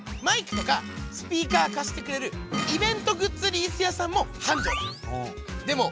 マイクとかスピーカーかしてくれるイベントグッズリースやさんもはんじょうだ。